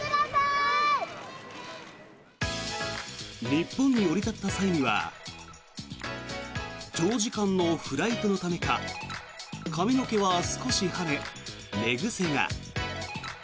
日本に降り立った際には長時間のフライトのためか髪の毛は少し跳ね、寝癖が。